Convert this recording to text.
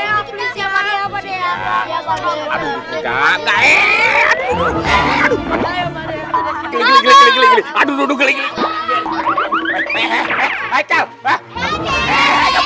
nya oh aduh ari ada odin aduh aduh mameng gede ave stay ke